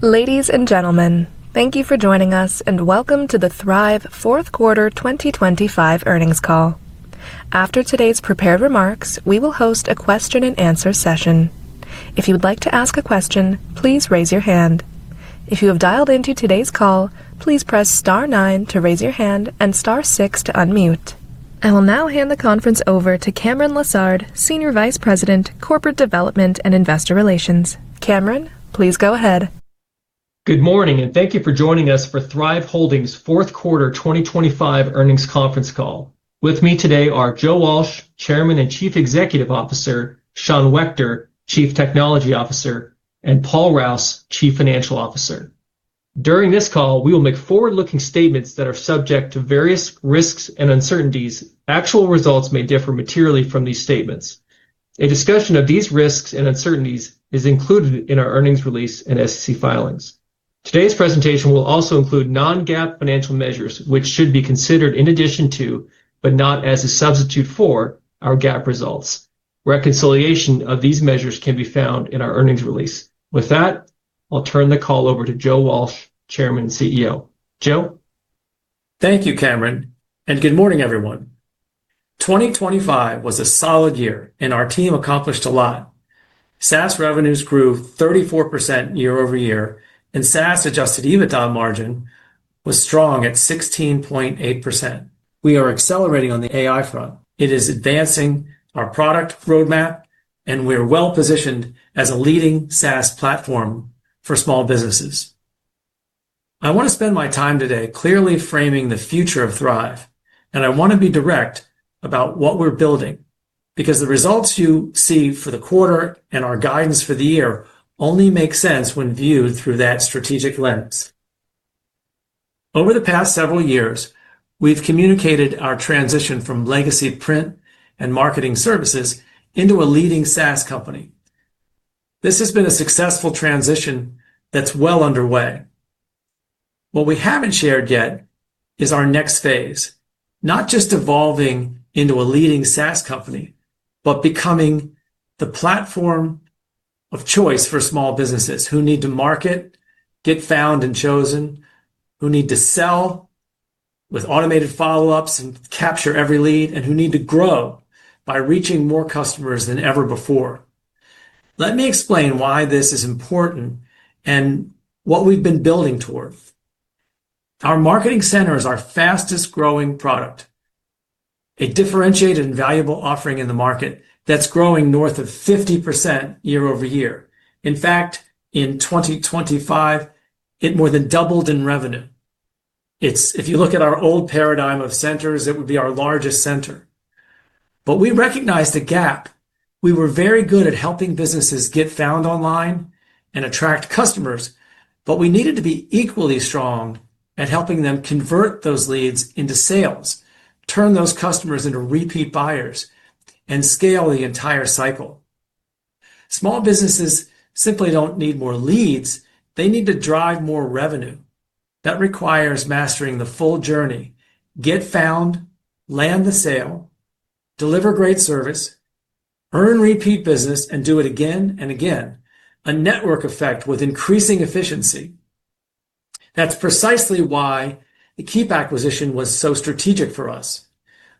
Ladies and gentlemen, thank you for joining us, welcome to the Thryv fourth quarter 2025 earnings call. After today's prepared remarks, we will host a question and answer session. If you would like to ask a question, please raise your hand. If you have dialed into today's call, please press star nine to raise your hand and star six to unmute. I will now hand the conference over to Cameron Lessard, Senior Vice President, Corporate Development and Investor Relations. Cameron, please go ahead. Good morning. Thank you for joining us for Thryv Holdings fourth quarter 2025 earnings conference call. With me today are Joe Walsh, Chairman and Chief Executive Officer, Sean Wechter, Chief Technology Officer, and Paul Rouse, Chief Financial Officer. During this call, we will make forward-looking statements that are subject to various risks and uncertainties. Actual results may differ materially from these statements. A discussion of these risks and uncertainties is included in our earnings release and SEC filings. Today's presentation will also include non-GAAP financial measures, which should be considered in addition to, but not as a substitute for, our GAAP results. Reconciliation of these measures can be found in our earnings release. With that, I'll turn the call over to Joe Walsh, Chairman and CEO. Joe? Thank you, Cameron. Good morning, everyone. 2025 was a solid year. Our team accomplished a lot. SaaS revenues grew 34% year-over-year. SaaS adjusted EBITDA margin was strong at 16.8%. We are accelerating on the AI front. It is advancing our product roadmap. We are well-positioned as a leading SaaS platform for small businesses. I want to spend my time today clearly framing the future of Thryv. I want to be direct about what we're building, because the results you see for the quarter and our guidance for the year only make sense when viewed through that strategic lens. Over the past several years, we've communicated our transition from legacy print and marketing services into a leading SaaS company. This has been a successful transition that's well underway. What we haven't shared yet is our next phase, not just evolving into a leading SaaS company, but becoming the platform of choice for small businesses who need to market, get found and chosen, who need to sell with automated follow-ups and capture every lead, and who need to grow by reaching more customers than ever before. Let me explain why this is important and what we've been building toward. Our Marketing Center is our fastest-growing product, a differentiated and valuable offering in the market that's growing north of 50% year over year. In fact, in 2025, it more than doubled in revenue. If you look at our old paradigm of centers, it would be our largest center. We recognized a gap. We were very good at helping businesses get found online and attract customers, but we needed to be equally strong at helping them convert those leads into sales, turn those customers into repeat buyers, and scale the entire cycle. Small businesses simply don't need more leads. They need to drive more revenue. That requires mastering the full journey, get found, land the sale, deliver great service, earn repeat business, and do it again and again. A network effect with increasing efficiency. That's precisely why the Keap acquisition was so strategic for us.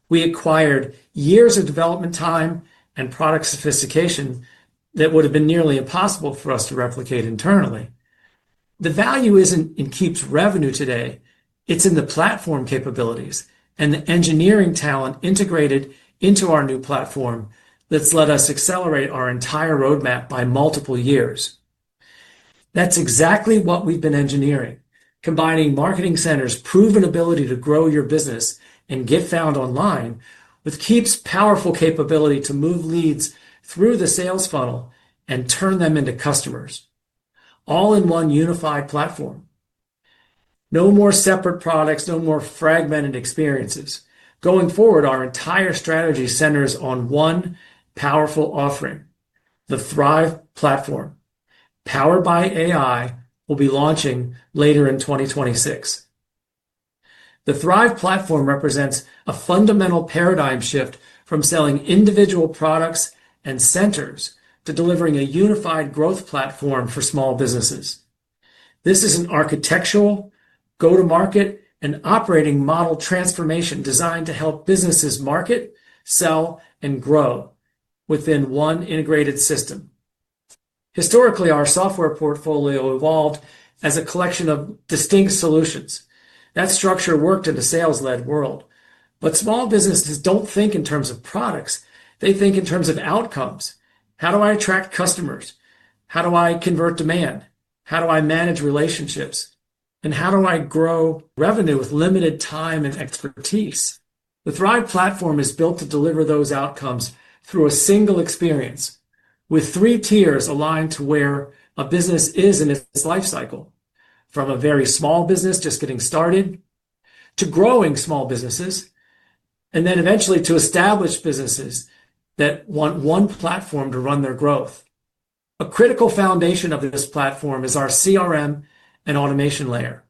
We acquired years of development time and product sophistication that would have been nearly impossible for us to replicate internally. The value isn't in Keap's revenue today, it's in the platform capabilities and the engineering talent integrated into our new platform that's let us accelerate our entire roadmap by multiple years. That's exactly what we've been engineering, combining Marketing Centers' proven ability to grow your business and get found online, with Keap's powerful capability to move leads through the sales funnel and turn them into customers, all in one unified platform. No more separate products, no more fragmented experiences. Going forward, our entire strategy centers on one powerful offering. The Thryv Platform, powered by AI, will be launching later in 2026. The Thryv Platform represents a fundamental paradigm shift from selling individual products and centers to delivering a unified growth platform for small businesses. This is an architectural go-to-market and operating model transformation designed to help businesses market, sell, and grow within one integrated system. Historically, our software portfolio evolved as a collection of distinct solutions. That structure worked in a sales-led world. Small businesses don't think in terms of products. They think in terms of outcomes. How do I attract customers? How do I convert demand? How do I manage relationships? How do I grow revenue with limited time and expertise? The Thryv Platform is built to deliver those outcomes through a single experience, with three tiers aligned to where a business is in its life cycle, from a very small business just getting started, to growing small businesses, and then eventually to established businesses that want 1 platform to run their growth. A critical foundation of this platform is our CRM and automation layer.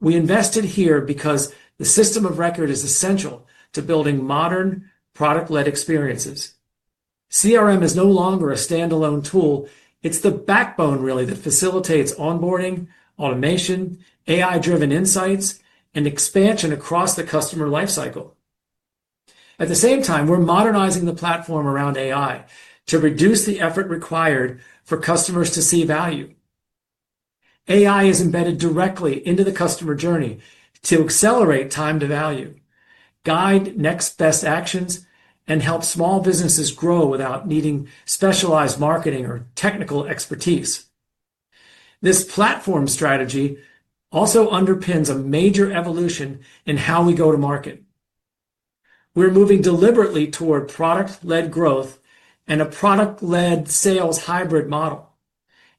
We invested here because the system of record is essential to building modern, product-led experiences. CRM is no longer a standalone tool. It's the backbone, really, that facilitates onboarding, automation, AI-driven insights, and expansion across the customer life cycle. At the same time, we're modernizing the platform around AI to reduce the effort required for customers to see value. AI is embedded directly into the customer journey to accelerate time to value, guide next best actions, and help small businesses grow without needing specialized marketing or technical expertise. This platform strategy also underpins a major evolution in how we go to market. We're moving deliberately toward product-led growth and a product-led sales hybrid model.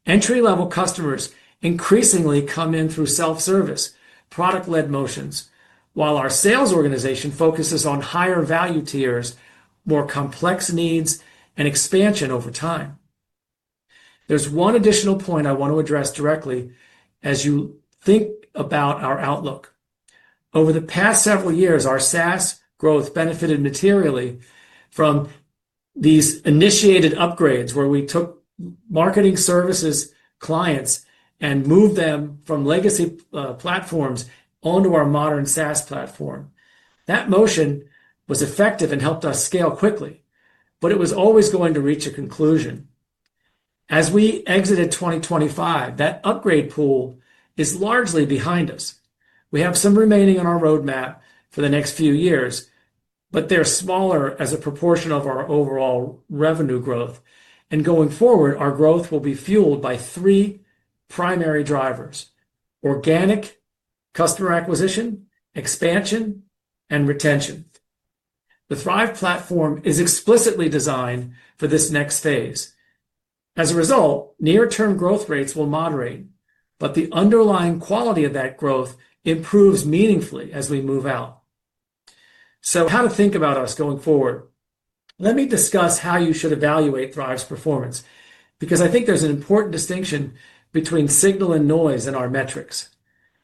Entry-level customers increasingly come in through self-service, product-led motions, while our sales organization focuses on higher value tiers, more complex needs, and expansion over time. There's one additional point I want to address directly as you think about our outlook. Over the past several years, our SaaS growth benefited materially from these initiated upgrades, where we took marketing services clients and moved them from legacy platforms onto our modern SaaS platform. That motion was effective and helped us scale quickly, but it was always going to reach a conclusion. As we exited 2025, that upgrade pool is largely behind us. We have some remaining on our roadmap for the next few years, but they're smaller as a proportion of our overall revenue growth. Going forward, our growth will be fueled by 3 primary drivers: organic customer acquisition, expansion, and retention. The Thryv Platform is explicitly designed for this next phase. As a result, near-term growth rates will moderate, but the underlying quality of that growth improves meaningfully as we move out. How to think about us going forward? Let me discuss how you should evaluate Thryv's performance, because I think there's an important distinction between signal and noise in our metrics.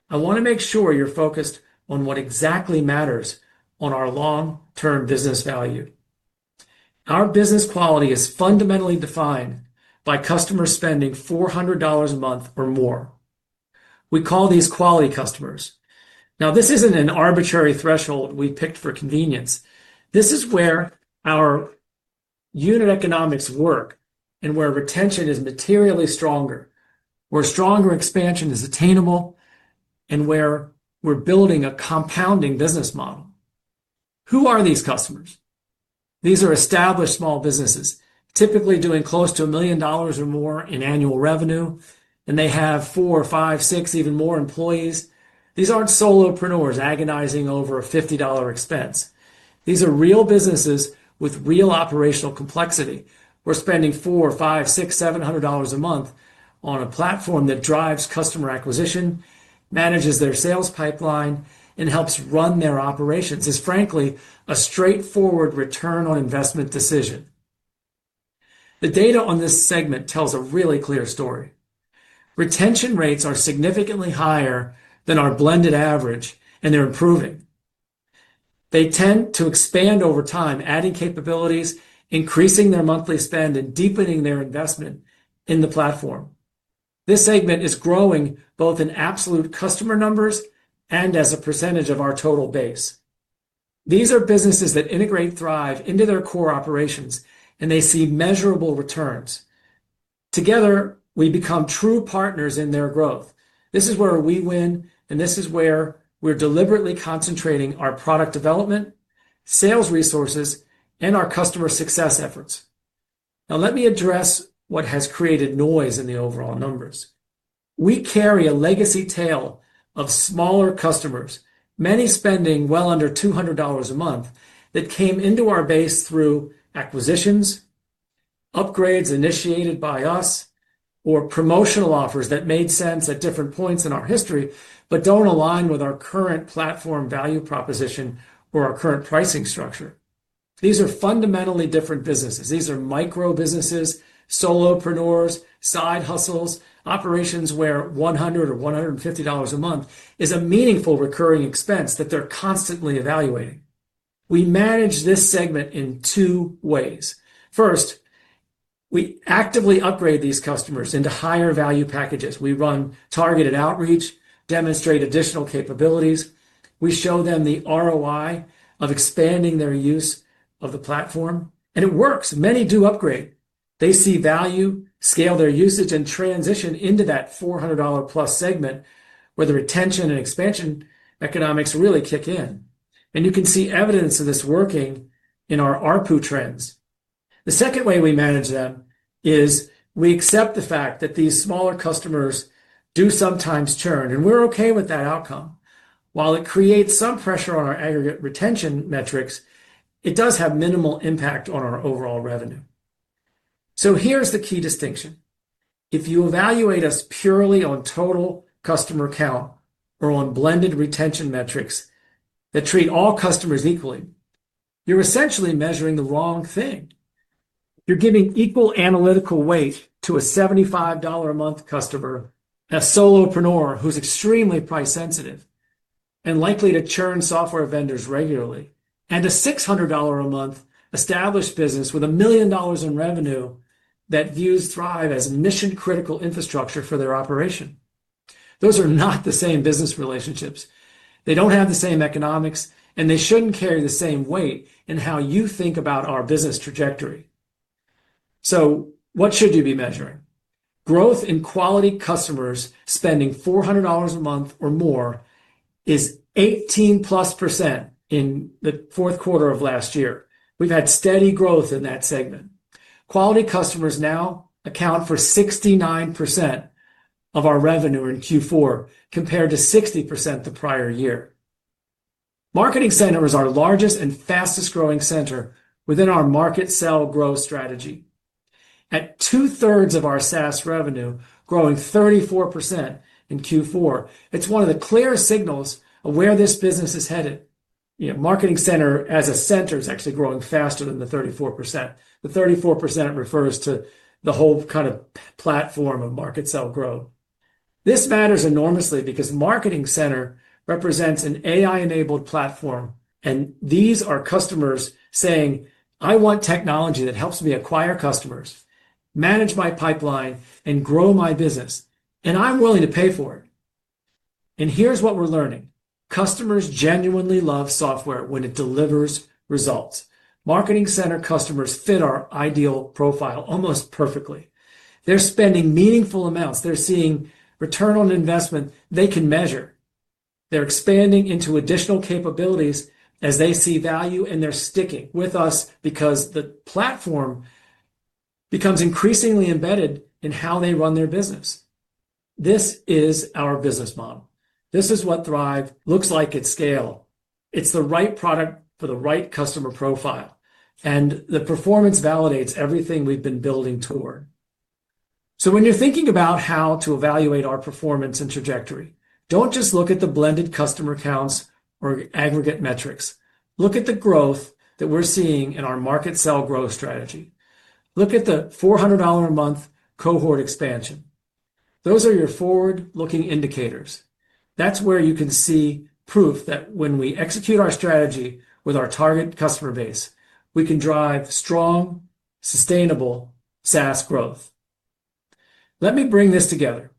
I want to make sure you're focused on what exactly matters on our long-term business value. Our business quality is fundamentally defined by customers spending $400 a month or more. We call these quality customers. This isn't an arbitrary threshold we picked for convenience. This is where our unit economics work and where retention is materially stronger, where stronger expansion is attainable, and where we're building a compounding business model. Who are these customers? These are established small businesses, typically doing close to $1 million or more in annual revenue, and they have four, five, six, even more employees. These aren't solopreneurs agonizing over a $50 expense. These are real businesses with real operational complexity. We're spending $400, $500, $600, $700 a month on a platform that drives customer acquisition, manages their sales pipeline, and helps run their operations, is frankly, a straightforward return on investment decision. The data on this segment tells a really clear story. Retention rates are significantly higher than our blended average, and they're improving. They tend to expand over time, adding capabilities, increasing their monthly spend, and deepening their investment in the platform. This segment is growing both in absolute customer numbers and as a percentage of our total base. These are businesses that integrate Thryv into their core operations, and they see measurable returns. Together, we become true partners in their growth. This is where we win, and this is where we're deliberately concentrating our product development, sales resources, and our customer success efforts. Now, let me address what has created noise in the overall numbers. We carry a legacy tail of smaller customers, many spending well under $200 a month, that came into our base through acquisitions, upgrades initiated by us, or promotional offers that made sense at different points in our history, but don't align with our current platform value proposition or our current pricing structure. These are fundamentally different businesses. These are micro-businesses, solopreneurs, side hustles, operations where $100 or $150 a month is a meaningful recurring expense that they're constantly evaluating. We manage this segment in two ways. First, we actively upgrade these customers into higher value packages. We run targeted outreach, demonstrate additional capabilities. We show them the ROI of expanding their use of the platform, and it works. Many do upgrade. They see value, scale their usage, and transition into that $400+ segment, where the retention and expansion economics really kick in. You can see evidence of this working in our ARPU trends. The second way we manage them is we accept the fact that these smaller customers do sometimes churn, and we're okay with that outcome. While it creates some pressure on our aggregate retention metrics, it does have minimal impact on our overall revenue. Here's the key distinction: If you evaluate us purely on total customer count or on blended retention metrics that treat all customers equally, you're essentially measuring the wrong thing. You're giving equal analytical weight to a $75 a month customer, a solopreneur who's extremely price sensitive, and likely to churn software vendors regularly, and a $600 a month established business with $1 million in revenue that views Thryv as mission-critical infrastructure for their operation. Those are not the same business relationships. They don't have the same economics, and they shouldn't carry the same weight in how you think about our business trajectory. What should you be measuring? Growth in quality customers spending $400 a month or more is 18+% in the fourth quarter of last year. We've had steady growth in that segment. Quality customers now account for 69% of our revenue in Q4, compared to 60% the prior year. Marketing Center is our largest and fastest-growing center within our market sell growth strategy. At two third of our SaaS revenue, growing 34% in Q4, it's one of the clearest signals of where this business is headed. You know, Marketing Center as a center is actually growing faster than the 34%. The 34% refers to the whole kind of platform of market sell growth. This matters enormously because Marketing Center represents an AI-enabled platform. These are customers saying, "I want technology that helps me acquire customers, manage my pipeline, and grow my business, and I'm willing to pay for it." Here's what we're learning: customers genuinely love software when it delivers results. Marketing Center customers fit our ideal profile almost perfectly. They're spending meaningful amounts. They're seeing return on investment they can measure. They're expanding into additional capabilities as they see value. They're sticking with us because the platform becomes increasingly embedded in how they run their business. This is our business model. This is what Thryv looks like at scale. It's the right product for the right customer profile. The performance validates everything we've been building toward. When you're thinking about how to evaluate our performance and trajectory, don't just look at the blended customer counts or aggregate metrics. Look at the growth that we're seeing in our market sell growth strategy. Look at the $400 a month cohort expansion. Those are your forward-looking indicators. That's where you can see proof that when we execute our strategy with our target customer base, we can drive strong, sustainable SaaS growth. Let me bring this together.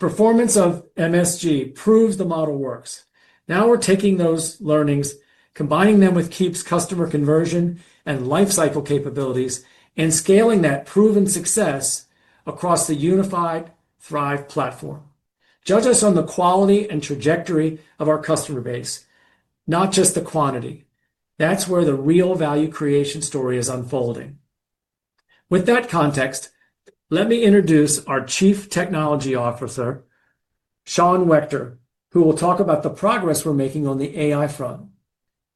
Performance of MSG proves the model works. We're taking those learnings, combining them with Keap's customer conversion and lifecycle capabilities, and scaling that proven success across the unified Thryv Platform. Judge us on the quality and trajectory of our customer base, not just the quantity. That's where the real value creation story is unfolding. With that context, let me introduce our Chief Technology Officer, Sean Wechter, who will talk about the progress we're making on the AI front.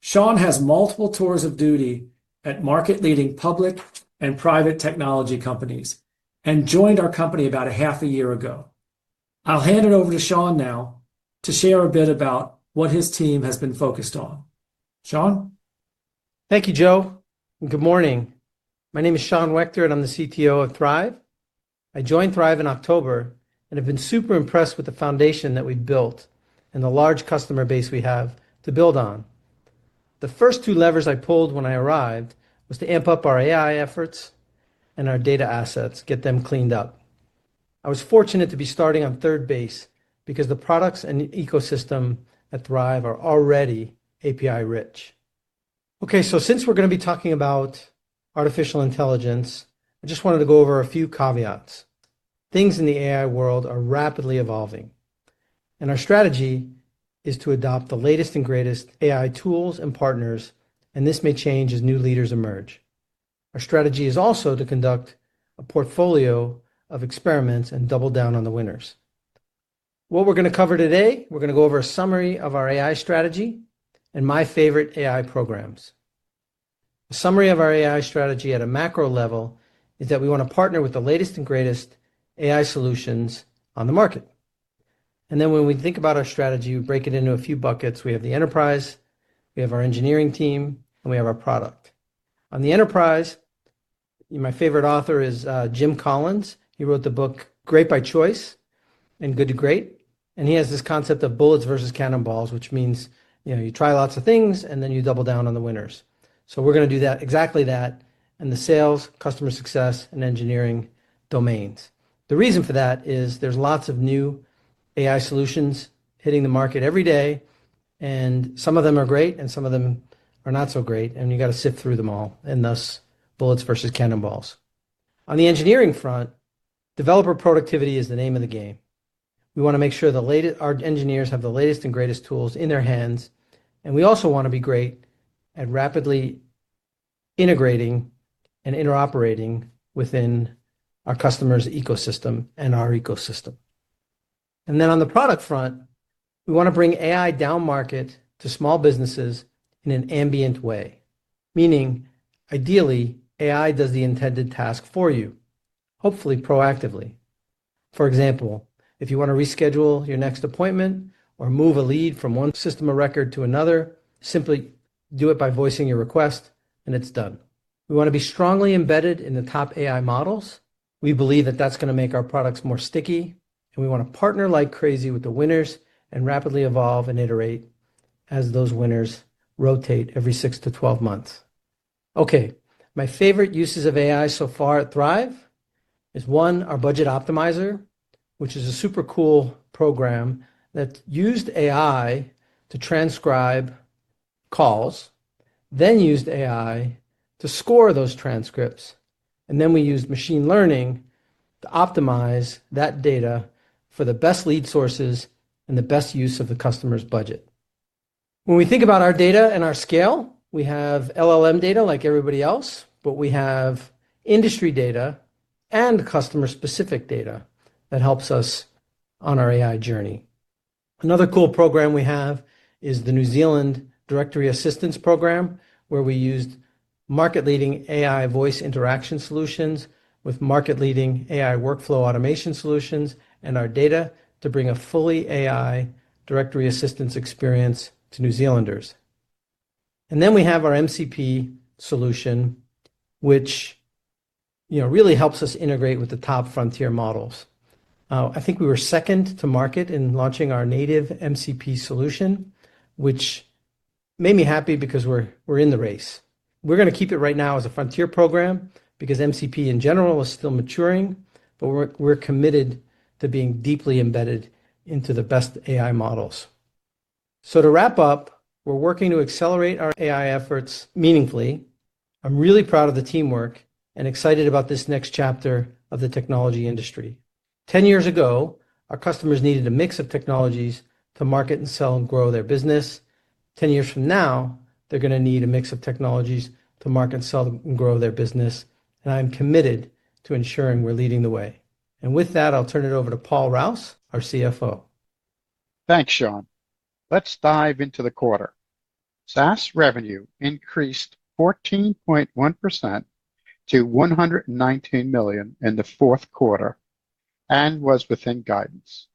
Sean has multiple tours of duty at market-leading public and private technology companies and joined our company about a half a year ago. I'll hand it over to Sean now to share a bit about what his team has been focused on. Sean? Thank you, Joe. Good morning. My name is Sean Wechter, I'm the CTO of Thryv. I joined Thryv in October and have been super impressed with the foundation that we've built and the large customer base we have to build on. The first two levers I pulled when I arrived was to amp up our AI efforts and our data assets, get them cleaned up. I was fortunate to be starting on third base because the products and ecosystem at Thryv are already API rich. Since we're going to be talking about artificial intelligence, I just wanted to go over a few caveats. Things in the AI world are rapidly evolving, our strategy is to adopt the latest and greatest AI tools and partners, and this may change as new leaders emerge. Our strategy is also to conduct a portfolio of experiments and double down on the winners. What we're gonna cover today, we're gonna go over a summary of our AI strategy and my favorite AI programs. A summary of our AI strategy at a macro level is that we want to partner with the latest and greatest AI solutions on the market. When we think about our strategy, we break it into a few buckets. We have the enterprise, we have our engineering team, and we have our product. On the enterprise, my favorite author is Jim Collins. He wrote the book Great by Choice and Good to Great, and he has this concept of bullets versus cannonballs, which means, you know, you try lots of things, and then you double down on the winners. We're gonna do that, exactly that in the sales, customer success, and engineering domains. The reason for that is there's lots of new AI solutions hitting the market every day, and some of them are great, and some of them are not so great, and you got to sift through them all, and thus, bullets versus cannonballs. On the engineering front, developer productivity is the name of the game. We want to make sure our engineers have the latest and greatest tools in their hands, and we also want to be great at rapidly integrating and interoperating within our customer's ecosystem and our ecosystem. On the product front, we want to bring AI down market to small businesses in an ambient way. Meaning, ideally, AI does the intended task for you, hopefully proactively. For example, if you want to reschedule your next appointment or move a lead from one system of record to another, simply do it by voicing your request, and it's done. We want to be strongly embedded in the top AI models. We believe that that's going to make our products more sticky, and we want to partner like crazy with the winners and rapidly evolve and iterate as those winners rotate every 6-12 months. My favorite uses of AI so far at Thryv is one, our Budget Optimizer, which is a super cool program that used AI to transcribe calls, then used AI to score those transcripts. Then we used machine learning to optimize that data for the best lead sources and the best use of the customer's budget. When we think about our data and our scale, we have LLM data like everybody else, but we have industry data and customer-specific data that helps us on our AI journey. Another cool program we have is the New Zealand Directory Assistance Program, where we used market-leading AI voice interaction solutions with market-leading AI workflow automation solutions and our data to bring a fully AI directory assistance experience to New Zealanders. Then we have our MCP solution, which, you know, really helps us integrate with the top frontier models. I think we were second to market in launching our native MCP solution, which made me happy because we're in the race. We're going to keep it right now as a frontier program because MCP, in general, is still maturing, but we're committed to being deeply embedded into the best AI models. To wrap up, we're working to accelerate our AI efforts meaningfully. I'm really proud of the teamwork and excited about this next chapter of the technology industry. 10 years ago, our customers needed a mix of technologies to market and sell and grow their business. 10 years from now, they're going to need a mix of technologies to market, sell, and grow their business. I'm committed to ensuring we're leading the way. With that, I'll turn it over to Paul Rouse, our CFO. Thanks, Sean. Let's dive into the quarter. SaaS revenue increased 14.1% to $119 million in the fourth quarter and was within guidance.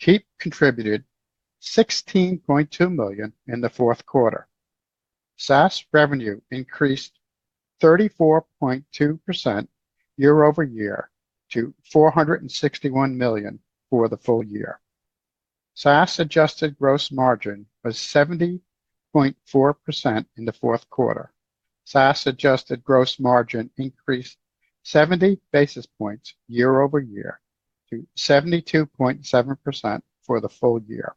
Keap contributed $16.2 million in the fourth quarter. SaaS revenue increased 34.2% year-over-year to $461 million for the full year. SaaS adjusted gross margin was 70.4% in the fourth quarter. SaaS adjusted gross margin increased 70 basis points year-over-year to 72.7% for the full year.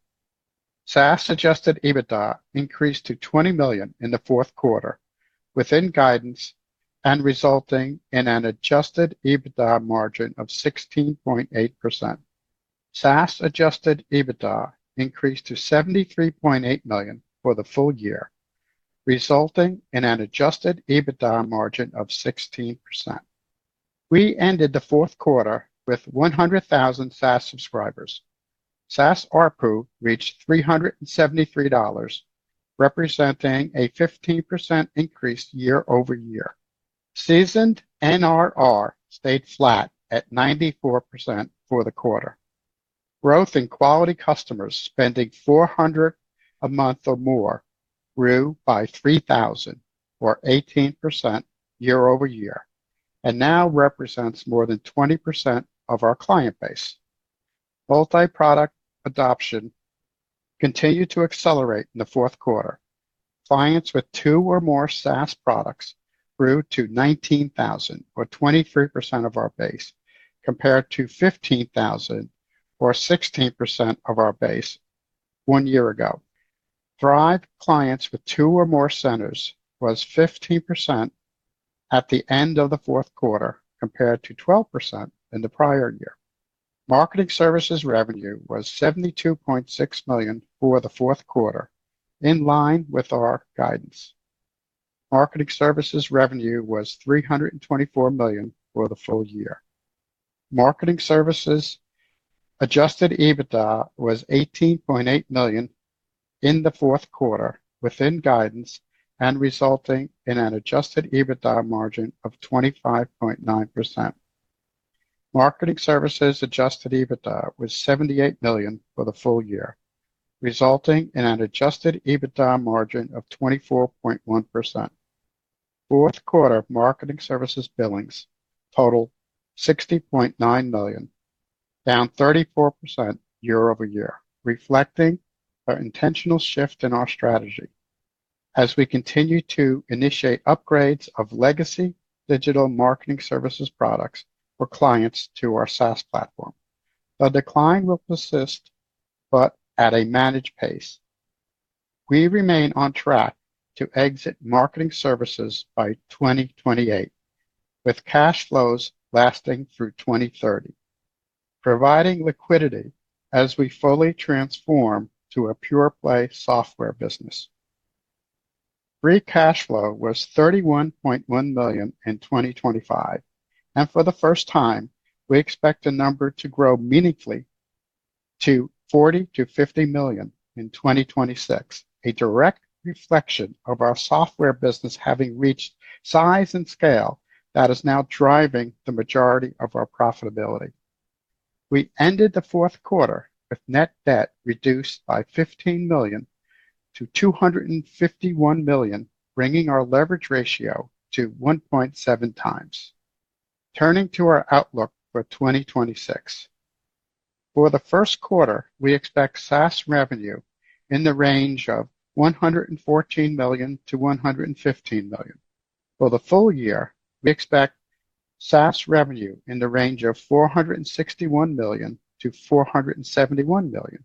SaaS adjusted EBITDA increased to $20 million in the fourth quarter, within guidance and resulting in an adjusted EBITDA margin of 16.8%. SaaS adjusted EBITDA increased to $73.8 million for the full year, resulting in an adjusted EBITDA margin of 16%. We ended the fourth quarter with 100,000 SaaS subscribers. SaaS ARPU reached $373, representing a 15% increase year-over-year. Seasoned NRR stayed flat at 94% for the quarter. Growth in quality customers spending $400 a month or more grew by 3,000 or 18% year-over-year, and now represents more than 20% of our client base. Multi-product adoption continued to accelerate in the fourth quarter. Clients with two or more SaaS products grew to 19,000, or 23% of our base, compared to 15,000 or 16% of our base one year ago. Thryv clients with two or more centers was 15% at the end of the fourth quarter, compared to 12% in the prior year. Marketing services revenue was $72.6 million for the fourth quarter, in line with our guidance. Marketing services revenue was $324 million for the full year. Marketing services adjusted EBITDA was $18.8 million in the fourth quarter, within guidance and resulting in an adjusted EBITDA margin of 25.9%. Marketing services adjusted EBITDA was $78 million for the full year, resulting in an adjusted EBITDA margin of 24.1%. Fourth quarter marketing services billings totaled $60.9 million, down 34% year-over-year, reflecting our intentional shift in our strategy as we continue to initiate upgrades of legacy digital marketing services products for clients to our SaaS platform. The decline will persist, but at a managed pace. We remain on track to exit marketing services by 2028, with cash flows lasting through 2030, providing liquidity as we fully transform to a pure play software business. Free cash flow was $31.1 million in 2025, for the first time, we expect the number to grow meaningfully to $40 million-$50 million in 2026, a direct reflection of our software business having reached size and scale that is now driving the majority of our profitability. We ended the fourth quarter with net debt reduced by $15 million-$251 million, bringing our leverage ratio to 1.7x. Turning to our outlook for 2026. For the first quarter, we expect SaaS revenue in the range of $114 million-$115 million. For the full year, we expect SaaS revenue in the range of $461 million-$471 million.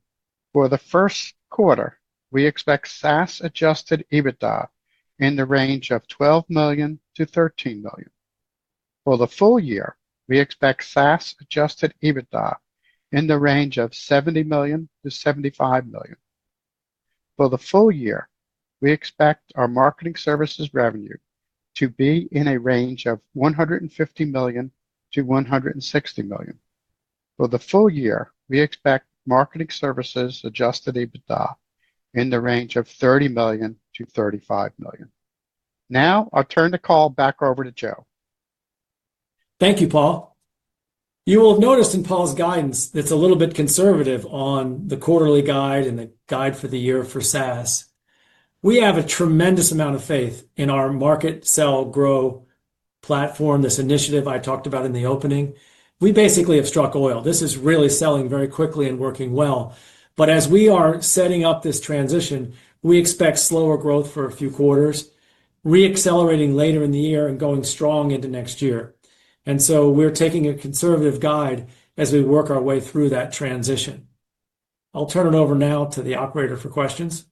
For the first quarter, we expect SaaS adjusted EBITDA in the range of $12 million-$13 million. For the full year, we expect SaaS adjusted EBITDA in the range of $70 million-$75 million. For the full year, we expect our marketing services revenue to be in a range of $150 million-$160 million. For the full year, we expect marketing services adjusted EBITDA in the range of $30 million-$35 million. I'll turn the call back over to Joe. Thank you, Paul. You will have noticed in Paul's guidance that's a little bit conservative on the quarterly guide and the guide for the year for SaaS. We have a tremendous amount of faith in our market sell grow platform, this initiative I talked about in the opening. We basically have struck oil. This is really selling very quickly and working well. As we are setting up this transition, we expect slower growth for a few quarters, re-accelerating later in the year and going strong into next year. We're taking a conservative guide as we work our way through that transition. I'll turn it over now to the operator for questions.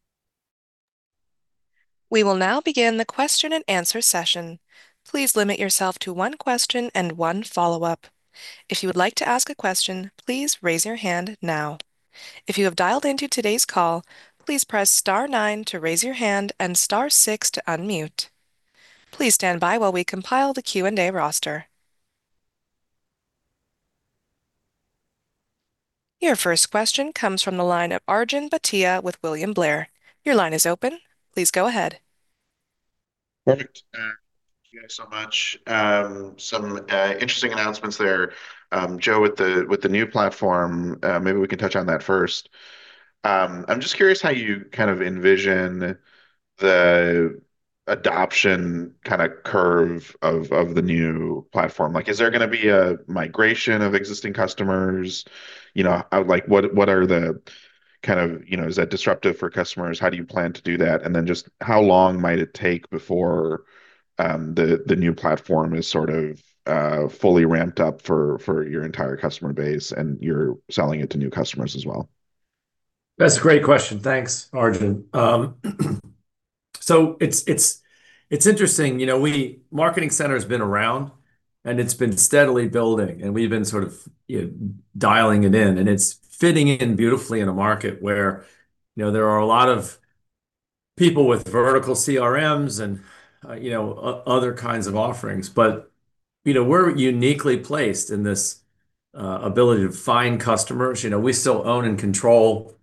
We will now begin the question and answer session. Please limit yourself to one question and one follow-up. If you would like to ask a question, please raise your hand now. If you have dialed into today's call, please press star nine to raise your hand and star six to unmute. Please stand by while we compile the Q&A roster. Your first question comes from the line of Arjun Bhatia with William Blair. Your line is open. Please go ahead. Perfect. Thank you guys so much. Some interesting announcements there. Joe, with the new platform, maybe we can touch on that first. I'm just curious how you kind of envision the adoption kind of curve of the new platform. Like, is there gonna be a migration of existing customers? You know, like what are the kind of, you know... Is that disruptive for customers? How do you plan to do that? Then just how long might it take before the new platform is sort of fully ramped up for your entire customer base, and you're selling it to new customers as well? That's a great question. Thanks, Arjun. It's interesting, you know, Marketing Center has been around, and it's been steadily building, and we've been sort of dialing it in, and it's fitting in beautifully in a market where, you know, there are a lot of people with vertical CRMs and, you know, other kinds of offerings. You know, we're uniquely placed in this ability to find customers. You know, we still own and control,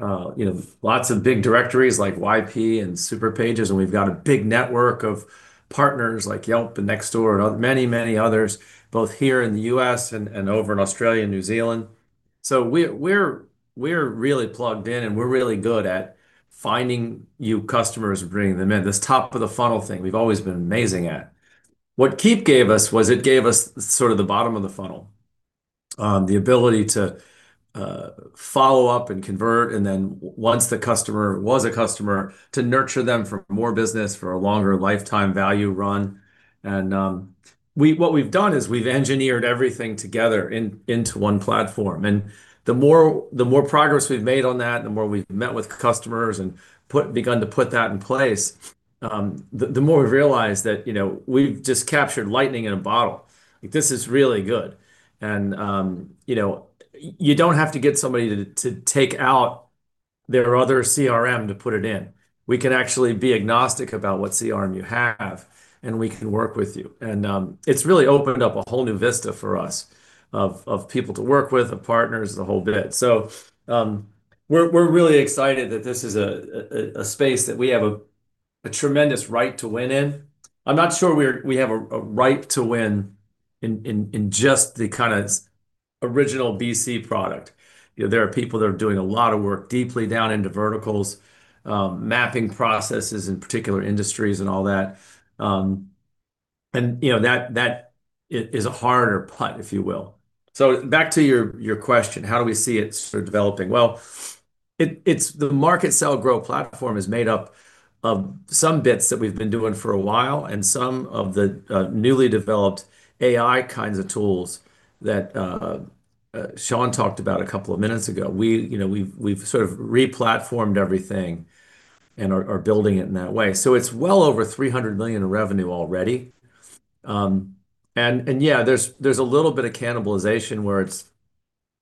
you know, lots of big directories like YP and Superpages, and we've got a big network of partners like Yelp and Nextdoor and many, many others, both here in the U.S. and over in Australia and New Zealand. We're really plugged in, and we're really good at finding new customers and bringing them in. This top-of-the-funnel thing, we've always been amazing at. What Keap gave us was it gave us sort of the bottom of the funnel, the ability to follow up and convert, and then once the customer was a customer, to nurture them for more business, for a longer lifetime value run. What we've done is we've engineered everything together into one platform, and the more progress we've made on that, the more we've met with customers and begun to put that in place, the more we've realized that, you know, we've just captured lightning in a bottle. Like, this is really good. You know, you don't have to get somebody to take out their other CRM to put it in. We can actually be agnostic about what CRM you have, and we can work with you. It's really opened up a whole new vista for us of people to work with, of partners, the whole bit. We're really excited that this is a space that we have a tremendous right to win in. I'm not sure we have a right to win in just the kind of original BC product. You know, there are people that are doing a lot of work deeply down into verticals, mapping processes in particular industries and all that. You know that is a harder putt, if you will. Back to your question, how do we see it sort of developing? Well, it's the Market Sell Grow platform is made up of some bits that we've been doing for a while, and some of the newly developed AI kinds of tools that Sean talked about a couple of minutes ago. We, you know, we've sort of replatformed everything and are building it in that way. It's well over $300 million in revenue already. And yeah, there's a little bit of cannibalization where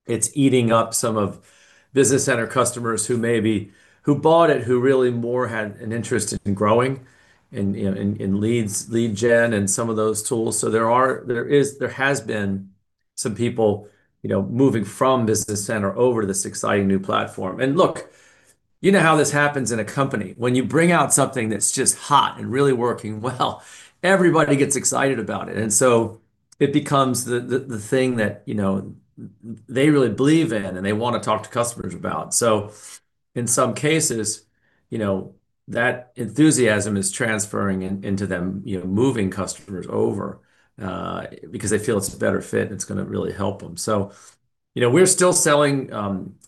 it's eating up some of Business Center customers who bought it, who really more had an interest in growing and, you know, and leads, lead gen and some of those tools. There has been some people, you know, moving from Business Center over to this exciting new Platform. Look, you know how this happens in a company. When you bring out something that's just hot and really working well, everybody gets excited about it. It becomes the thing that, you know, they really believe in, and they wanna talk to customers about. In some cases, you know, that enthusiasm is transferring into them, you know, moving customers over, because they feel it's a better fit, and it's gonna really help them. You know, we're still selling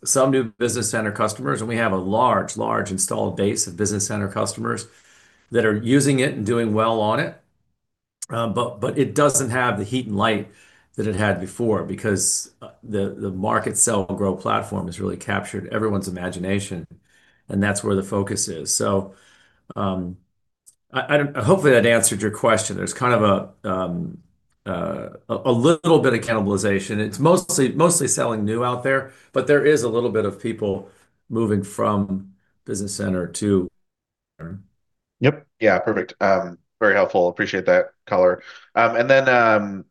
some new business center customers, and we have a large installed base of business center customers that are using it and doing well on it. But it doesn't have the heat and light that it had before because the market sell and grow platform has really captured everyone's imagination, and that's where the focus is. Hopefully that answered your question. There's kind of a little bit of cannibalization. It's mostly selling new out there, but there is a little bit of people moving from Business Center. Yep. Yeah. Perfect. Very helpful. Appreciate that color. Then,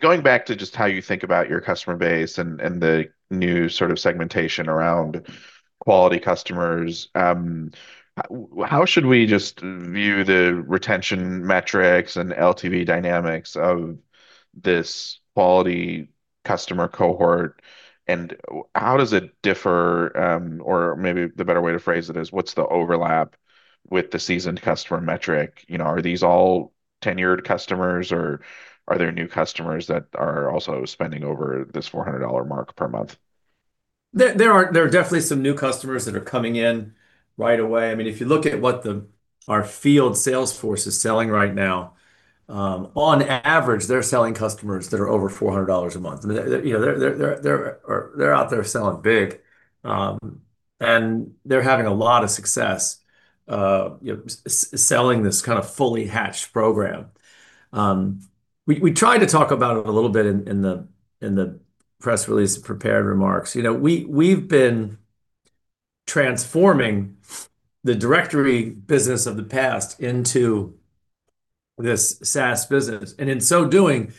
going back to just how you think about your customer base and the new sort of segmentation around quality customers, how should we just view the retention metrics and LTV dynamics of this quality customer cohort? How does it differ, or maybe the better way to phrase it is, what's the overlap with the seasoned customer metric? You know, are these all tenured customers, or are there new customers that are also spending over this $400 mark per month? There are definitely some new customers that are coming in right away. I mean, if you look at what our field sales force is selling right now, on average, they're selling customers that are over $400 a month. I mean, they, you know, they're out there selling big, and they're having a lot of success, you know, selling this kind of fully hatched program. We tried to talk about it a little bit in the press release, prepared remarks. You know, we've been transforming the directory business of the past into this SaaS business, and in so doing,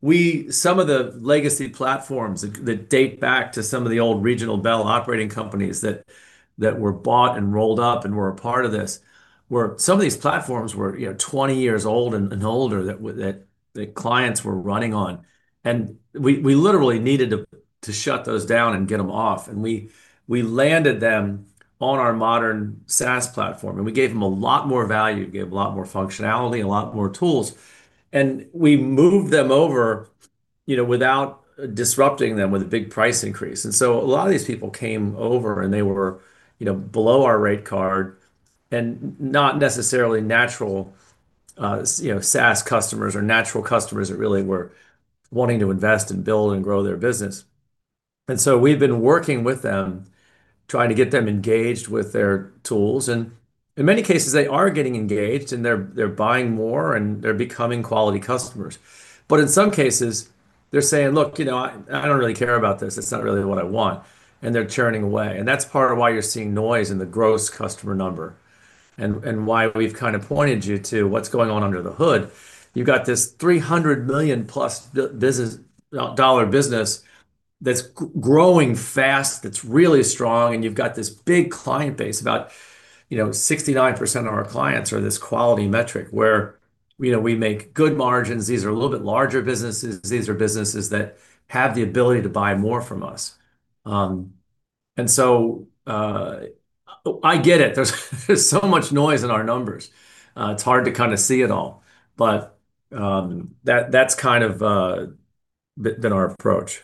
we... Some of the legacy platforms that date back to some of the old Regional Bell Operating Companies that were bought and rolled up and were a part of this, some of these platforms were, you know, 20 years old and older, that clients were running on, and we literally needed to shut those down and get them off. We landed them on our modern SaaS platform, and we gave them a lot more value, gave a lot more functionality, a lot more tools, and we moved them over, you know, without disrupting them with a big price increase. A lot of these people came over, and they were, you know, below our rate card and not necessarily natural, you know, SaaS customers or natural customers that really were wanting to invest and build and grow their business. We've been working with them, trying to get them engaged with their tools, and in many cases they are getting engaged, and they're buying more, and they're becoming quality customers. In some cases they're saying: "Look, you know, I don't really care about this. It's not really what I want," and they're churning away. That's part of why you're seeing noise in the gross customer number and why we've kind of pointed you to what's going on under the hood. You've got this $300 million plus dollar business that's growing fast, that's really strong, and you've got this big client base. About, you know, 69% of our clients are this quality metric where, you know, we make good margins. These are a little bit larger businesses. These are businesses that have the ability to buy more from us. I get it. There's so much noise in our numbers, it's hard to kinda see it all. That's kind of been our approach.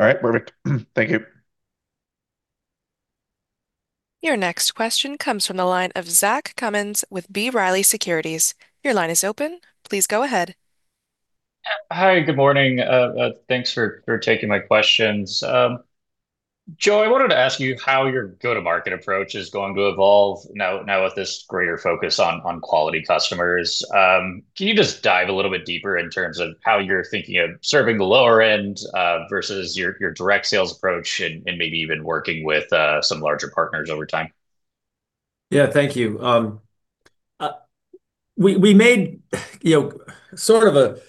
All right. Perfect. Thank you. Your next question comes from the line of Zach Cummins with B. Riley Securities. Your line is open. Please go ahead. Hi, good morning. Thanks for taking my questions. Joe, I wanted to ask you how your go-to-market approach is going to evolve now with this greater focus on quality customers. Can you just dive a little bit deeper in terms of how you're thinking of serving the lower end versus your direct sales approach and maybe even working with some larger partners over time? Yeah, thank you. We made, you know, sort of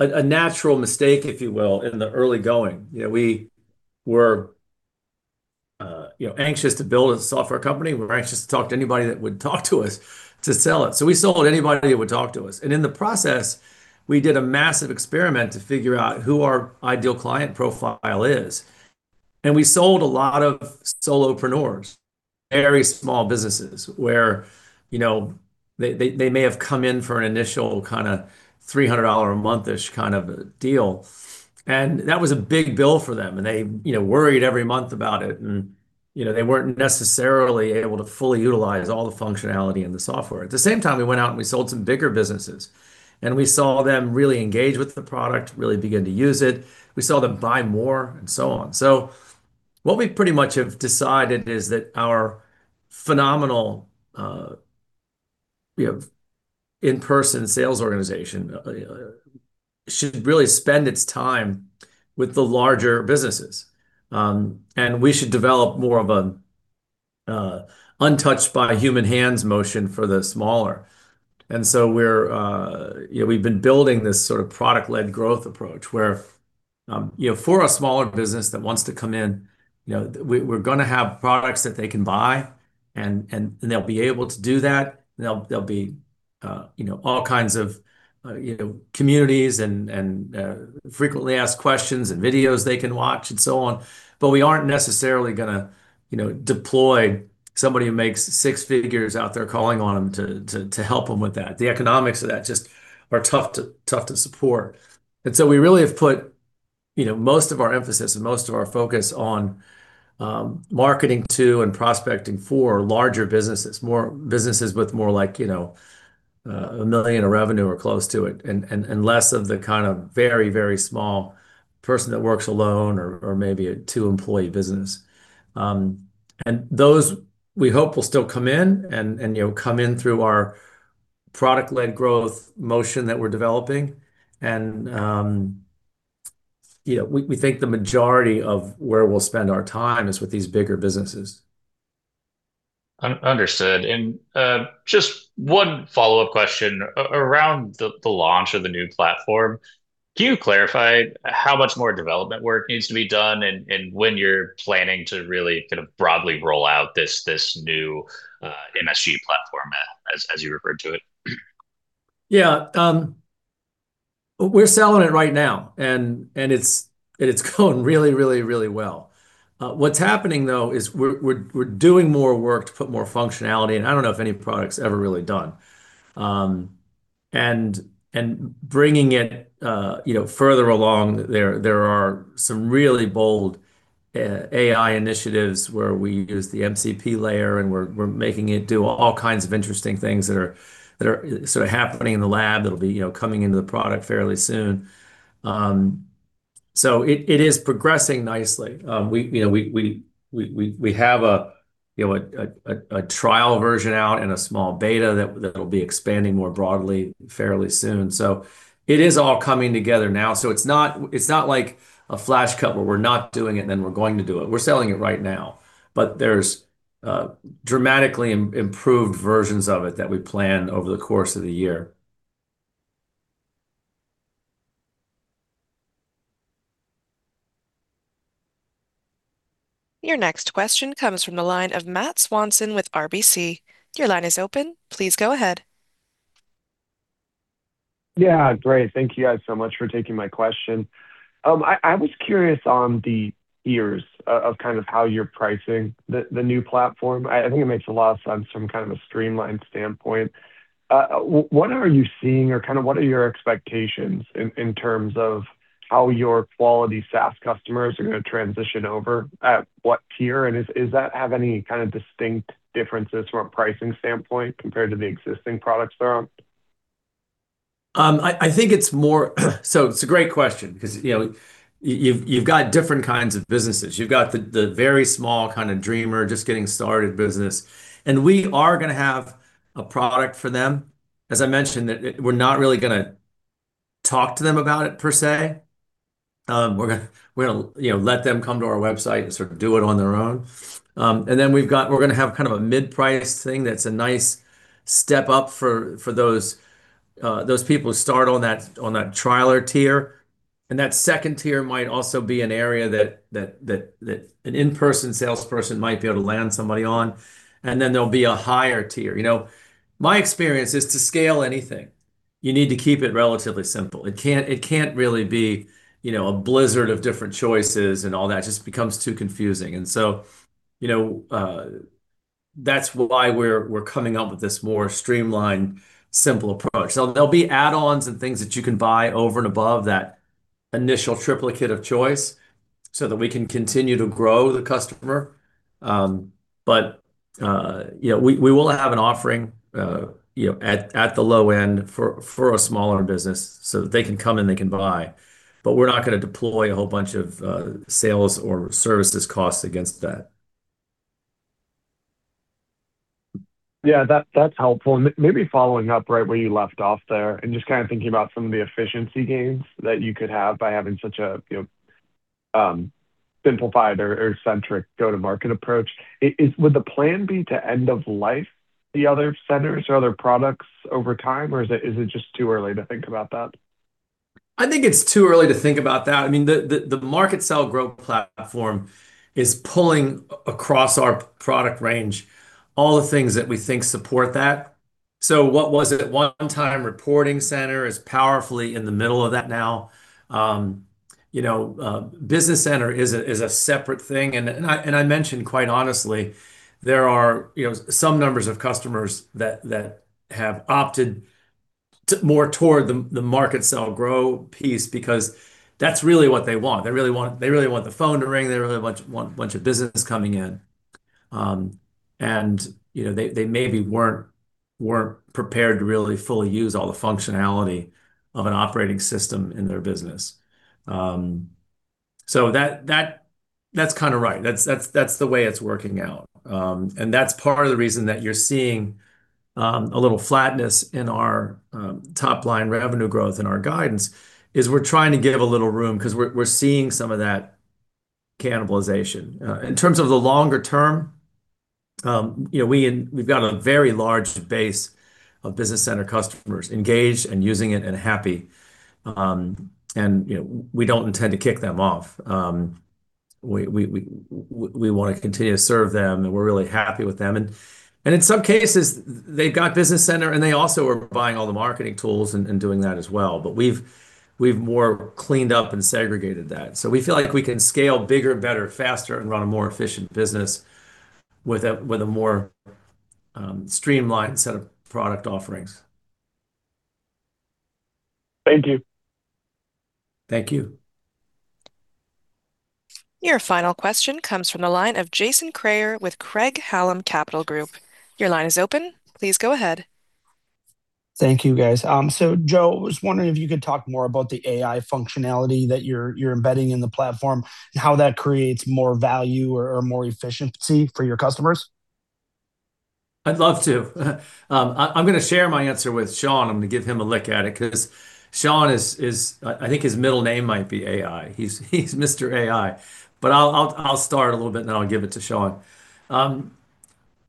a natural mistake, if you will, in the early going. You know, we were, you know, anxious to build a software company. We were anxious to talk to anybody that would talk to us to sell it. We sold anybody that would talk to us. In the process, we did a massive experiment to figure out who our ideal client profile is. We sold a lot of solopreneurs, very small businesses, where, you know, they may have come in for an initial kinda $300 a month-ish kind of deal, and that was a big bill for them, and they, you know, worried every month about it. You know, they weren't necessarily able to fully utilize all the functionality in the software. At the same time, we went out and we sold some bigger businesses, and we saw them really engage with the product, really begin to use it. We saw them buy more, and so on. What we pretty much have decided is that our phenomenal, you know, in-person sales organization should really spend its time with the larger businesses. We should develop more of untouched by human hands motion for the smaller. We're, you know, we've been building this sort of product-led growth approach, where, you know, for a smaller business that wants to come in, you know, we're gonna have products that they can buy, and, and they'll be able to do that. There'll be, you know, all kinds of, you know, communities and, frequently asked questions and videos they can watch, and so on. We aren't necessarily gonna, you know, deploy somebody who makes six figures out there calling on them to help them with that. The economics of that just are tough to support. We really have put, you know, most of our emphasis and most of our focus on marketing to and prospecting for larger businesses, more businesses with more like, you know, $1 million in revenue or close to it, and less of the kind of very, very small person that works alone or maybe a two-employee business. Those we hope will still come in and, you know, come in through our product-led growth motion that we're developing. You know, we think the majority of where we'll spend our time is with these bigger businesses. Understood. Just one follow-up question around the launch of the new platform. Can you clarify how much more development work needs to be done, and when you're planning to really kind of broadly roll out this new MSG platform as you referred to it? Yeah. We're selling it right now, and it's going really, really, really well. What's happening though is we're doing more work to put more functionality, and I don't know if any product's ever really done. Bringing it, you know, further along, there are some really bold AI initiatives where we use the MCP layer, and we're making it do all kinds of interesting things that are sort of happening in the lab that'll be, you know, coming into the product fairly soon. It is progressing nicely. We, you know, we have a, you know, a trial version out and a small beta that'll be expanding more broadly fairly soon. It is all coming together now. It's not like a flash cut where we're not doing it, and then we're going to do it. We're selling it right now. There's dramatically improved versions of it that we plan over the course of the year. Your next question comes from the line of Matthew Swanson with RBC. Your line is open. Please go ahead. Yeah, great. Thank you guys so much for taking my question. I was curious on the tiers of kind of how you're pricing the new platform. I think it makes a lot of sense from kind of a streamlined standpoint. What are you seeing or kind of what are your expectations in terms of how your quality SaaS customers are gonna transition over, at what tier, and does that have any kind of distinct differences from a pricing standpoint compared to the existing products they're on? I think it's more. It's a great question 'cause, you know, you've got different kinds of businesses. You've got the very small kind of dreamer, just getting started business, and we are gonna have a product for them. As I mentioned, that we're not really gonna talk to them about it, per se. We're gonna, you know, let them come to our website and sort of do it on their own. We're gonna have kind of a mid-price thing that's a nice step up for those people who start on that Trialer tier, and that second tier might also be an area that an in-person salesperson might be able to land somebody on, and then there'll be a higher tier. You know, my experience is to scale anything. You need to keep it relatively simple. It can't really be, you know, a blizzard of different choices, and all that just becomes too confusing. you know, that's why we're coming up with this more streamlined, simple approach. There'll be add-ons and things that you can buy over and above that initial triplicate of choice so that we can continue to grow the customer. you know, we will have an offering, you know, at the low end for a smaller business so that they can come and they can buy, but we're not gonna deploy a whole bunch of sales or services costs against that. Yeah, that's helpful. Maybe following up right where you left off there and just kind of thinking about some of the efficiency gains that you could have by having such a, you know, simplified or centric go-to-market approach, would the plan be to end of life the other centers or other products over time, or is it just too early to think about that? I think it's too early to think about that. I mean, the market sell growth platform is pulling across our product range, all the things that we think support that. What was it, at one time, Thryv Reporting Center is powerfully in the middle of that now. You know, Thryv Business Center is a separate thing, and I mentioned quite honestly, there are, you know, some numbers of customers that have opted more toward the market sell grow piece because that's really what they want. They really want the phone to ring. They really want a bunch of business coming in. You know, they weren't prepared to really fully use all the functionality of an operating system in their business. That's kind of right. That's the way it's working out. That's part of the reason that you're seeing a little flatness in our top-line revenue growth and our guidance, is we're trying to give a little room 'cause we're seeing some of that cannibalization. In terms of the longer term, you know, we've got a very large base of Business Center customers engaged and using it and happy. You know, we don't intend to kick them off. We want to continue to serve them, and we're really happy with them. In some cases, they've got Business Center, and they also are buying all the marketing tools and doing that as well. We've more cleaned up and segregated that. We feel like we can scale bigger, better, faster, and run a more efficient business with a more streamlined set of product offerings. Thank you. Thank you. Your final question comes from the line of Jason Kreyer with Craig-Hallum Capital Group. Your line is open. Please go ahead. Thank you, guys. Joe, I was wondering if you could talk more about the AI functionality that you're embedding in the platform, and how that creates more value or more efficiency for your customers. I'd love to. I'm gonna share my answer with Sean. I'm gonna give him a look at it 'cause Sean is, I think his middle name might be AI. He's Mr. AI. I'll start a little bit, and then I'll give it to Sean.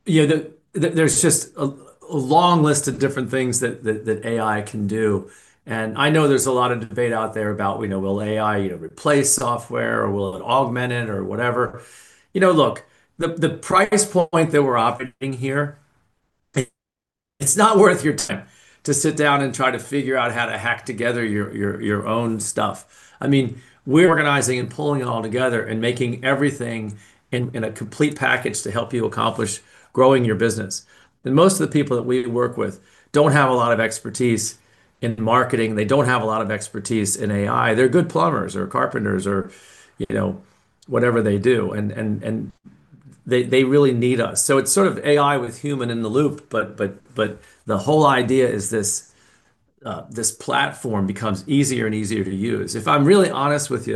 you know, there's just a long list of different things that AI can do, and I know there's a lot of debate out there about, you know, will AI, you know, replace software, or will it augment it, or whatever? You know, look, the price point that we're offering here, it's not worth your time to sit down and try to figure out how to hack together your own stuff. I mean, we're organizing and pulling it all together and making everything in a complete package to help you accomplish growing your business. Most of the people that we work with don't have a lot of expertise in marketing. They don't have a lot of expertise in AI. They're good plumbers or carpenters or, you know, whatever they do, and they really need us. It's sort of AI with human in the loop, but the whole idea is this platform becomes easier and easier to use. If I'm really honest with you,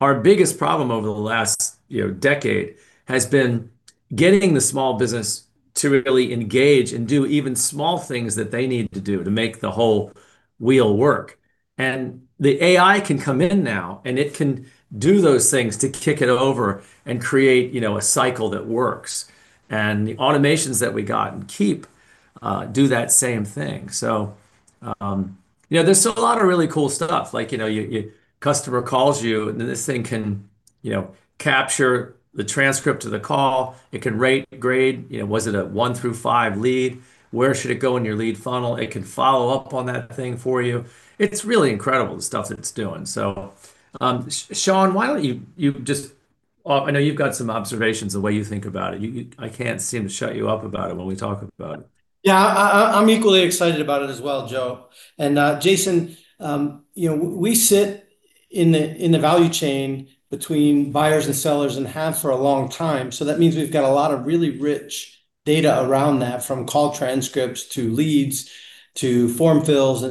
our biggest problem over the last, you know, decade has been getting the small business to really engage and do even small things that they need to do to make the whole wheel work, and the AI can come in now, and it can do those things to kick it over and create, you know, a cycle that works. The automations that we got in Keap do that same thing. There's a lot of really cool stuff like, you know, your customer calls you, and this thing can, you know, capture the transcript of the call. It can rate, grade, you know, was it a one through five lead? Where should it go in your lead funnel? It can follow up on that thing for you. It's really incredible, the stuff that it's doing. Sean, I know you've got some observations the way you think about it. I can't seem to shut you up about it when we talk about it. Yeah, I'm equally excited about it as well, Joe. Jason, you know, we sit in the value chain between buyers and sellers and have for a long time. That means we've got a lot of really rich data around that, from call transcripts to leads to form fills.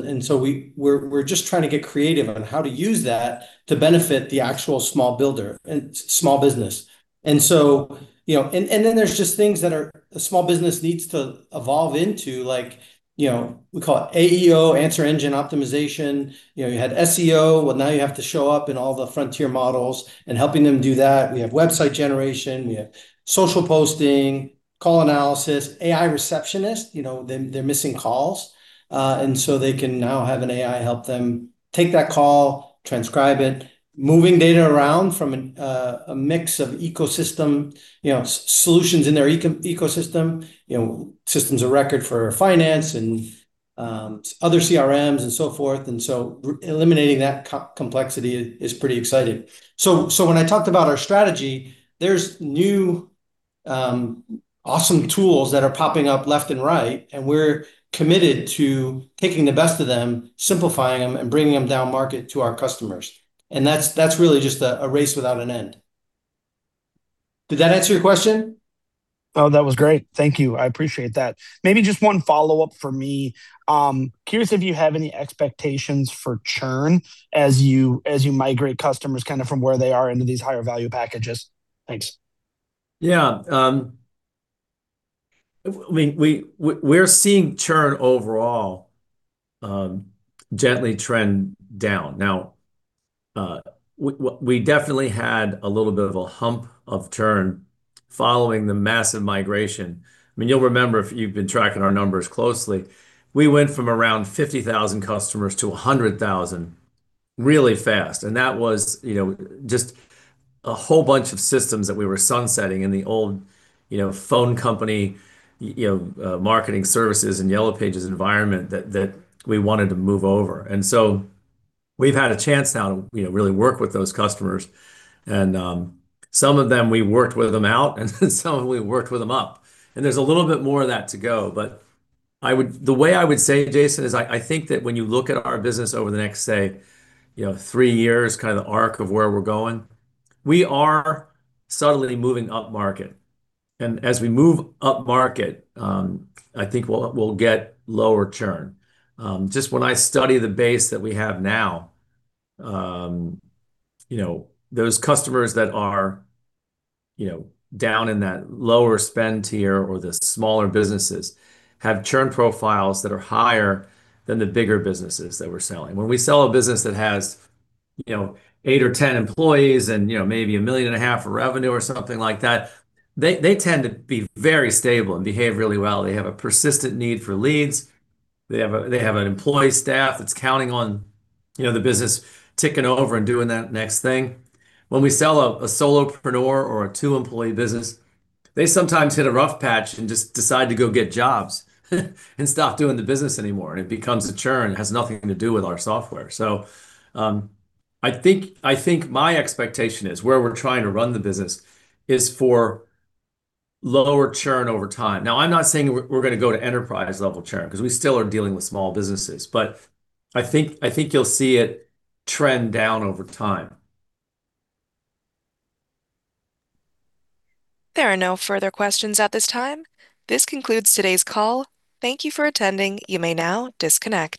We're just trying to get creative on how to use that to benefit the actual small builder and small business. You know, there's just things that our small business needs to evolve into, like, you know, we call it AEO, answer engine optimization. You know, you had SEO, well, now you have to show up in all the frontier models and helping them do that. We have website generation, we have social posting, call analysis, AI Receptionist, you know, they're missing calls. They can now have an AI help them take that call, transcribe it, moving data around from a mix of ecosystem, you know, solutions in their ecosystem, you know, systems of record for finance and other CRMs and so forth. Eliminating that complexity is pretty exciting. When I talked about our strategy, there's new awesome tools that are popping up left and right, and we're committed to taking the best of them, simplifying them, and bringing them down market to our customers. That's really just a race without an end. Did that answer your question? Oh, that was great. Thank you. I appreciate that. Maybe just one follow-up for me. Curious if you have any expectations for churn as you migrate customers kind of from where they are into these higher value packages? Thanks. Yeah. We're seeing churn overall gently trend down. Now, we definitely had a little bit of a hump of churn following the massive migration. I mean, you'll remember if you've been tracking our numbers closely, we went from around 50,000 customers to 100,000 really fast, and that was, you know, just a whole bunch of systems that we were sunsetting in the old, you know, phone company, you know, marketing services and Yellow Pages environment that we wanted to move over. We've had a chance now to, you know, really work with those customers and some of them, we worked with them out, and some we worked with them up. There's a little bit more of that to go, but the way I would say, Jason, is I think that when you look at our business over the next, say, you know, three years, kind of the arc of where we're going, we are subtly moving up market. As we move up market, I think we'll get lower churn. Just when I study the base that we have now, you know, those customers that are, you know, down in that lower spend tier or the smaller businesses, have churn profiles that are higher than the bigger businesses that we're selling. When we sell a business that has, you know, eight or 10 employees and, you know, maybe $1.5 million of revenue or something like that, they tend to be very stable and behave really well. They have a persistent need for leads. They have an employee staff that's counting on, you know, the business ticking over and doing that next thing. When we sell a solopreneur or a two-employee business, they sometimes hit a rough patch and just decide to go get jobs and stop doing the business anymore, and it becomes a churn, and it has nothing to do with our software. I think my expectation is where we're trying to run the business is for lower churn over time. I'm not saying we're gonna go to enterprise-level churn, 'cause we still are dealing with small businesses, but I think you'll see it trend down over time. There are no further questions at this time. This concludes today's call. Thank you for attending. You may now disconnect.